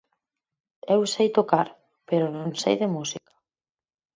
Eu sei tocar, pero non sei de música.